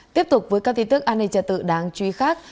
tiếp tục với các tin tức an ninh trật tự đáng chú ý khác